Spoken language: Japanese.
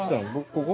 ここ。